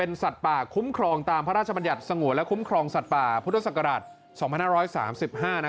เป็นสัตว์ป่าคุ้มครองตามพระราชบัญญัติสงหวนและคุ้มครองสัตว์ป่าพุทธศักราชสองพันห้าร้อยสามสิบห้าน่ะ